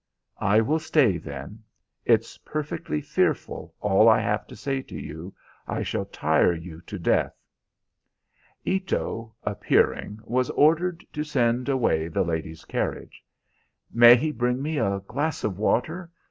"I will stay, then. It's perfectly fearful, all I have to say to you. I shall tire you to death." Ito, appearing, was ordered to send away the lady's carriage. "May he bring me a glass of water?